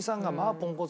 ポンコツ。